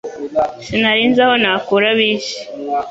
Sinari nzi aho nakura bisi